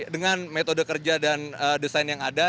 dengan metode kerja dan desain yang ada